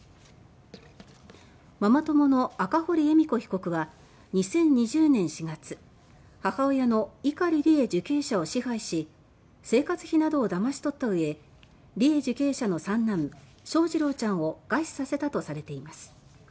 ママ友の赤堀恵美子被告は２０２０年４月母親の碇利恵受刑者を支配し生活費などをだまし取ったうえ利恵受刑者の三男・翔士郎ちゃんを餓死させたとされています。